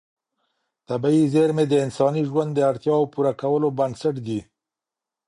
طبیعي زېرمې د انساني ژوند د اړتیاوو پوره کولو بنسټ دي.